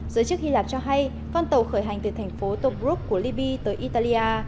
giới chức hy lạp cho hay con tàu khởi hành từ thành phố tobruk của libi tới italia